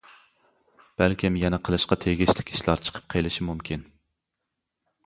بەلكىم يەنە قىلىشقا تېگىشلىك ئىشلار چىقىپ قېلىشى مۇمكىن.